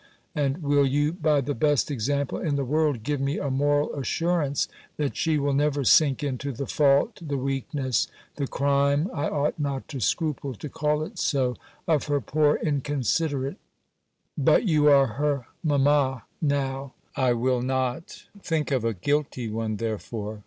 And will you, by the best example in the world, give me a moral assurance, that she will never sink into the fault, the weakness, the crime (I ought not to scruple to call it so) of her poor inconsiderate But you are her mamma now: I will not think of a guilty one therefore.